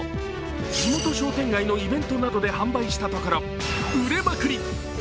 地元商店街のイベントなどで販売したところ、売れまくり。